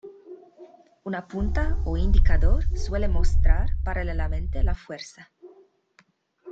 Una punta o indicador suele mostrar, paralelamente, la fuerza.